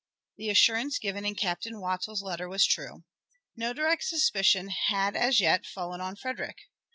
The assurance given in Captain Wattles's letter was true. No direct suspicion had as yet fallen on Frederick.